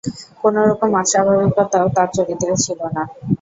কোনো রকম অস্বাভাবিকতাও তার চরিত্রে ছিল না।